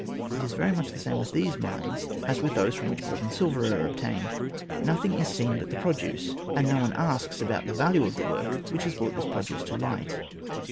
It is very much the same with these mines as with those from which gold and silver are ob tained ; nothing is seen but the produce, and no one asks about the value of the work which has brought this produce to light.